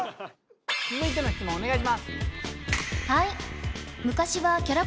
続いての質問お願いします。